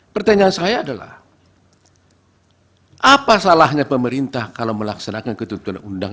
pertanyaan saya adalah apa salahnya pemerintah kalau melaksanakan ketentuan undang undang